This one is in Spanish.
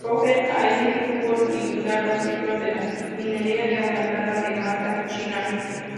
Roger Agnelli supo limitar los ciclos de la minería y aumentar la demanda china.